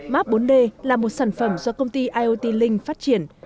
map bốn d là một sản phẩm do công ty iot link phát triển